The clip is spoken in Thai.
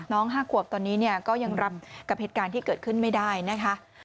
๕ขวบตอนนี้ก็ยังรำกับเหตุการณ์ที่เกิดขึ้นไม่ได้นะคะ